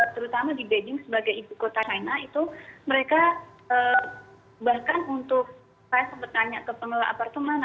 terutama di beijing sebagai ibu kota china itu mereka bahkan untuk saya sempat tanya ke pengelola apartemen